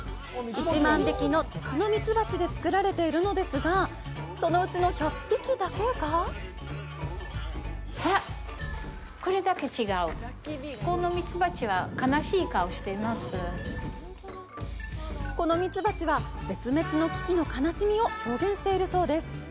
１万匹の鉄のミツバチで作られているのですがそのうちの１００匹だけがこのミツバチは絶滅の危機の悲しみを表現しているそうです。